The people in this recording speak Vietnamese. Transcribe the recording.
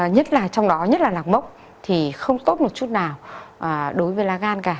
nhất là trong đó nhất là lạc mốc thì không tốt một chút nào đối với lá gan cả